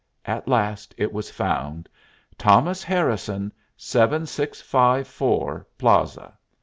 At last it was found "Thomas Harrison, seven six five four Plaza."